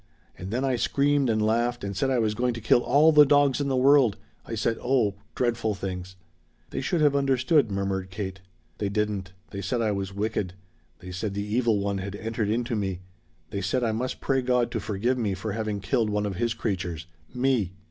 And then I screamed and laughed and said I was going to kill all the dogs in the world. I said oh, dreadful things." "They should have understood," murmured Kate. "They didn't. They said I was wicked. They said the Evil One had entered into me. They said I must pray God to forgive me for having killed one of his creatures! Me